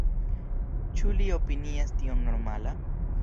Ĉu li opinias tion normala?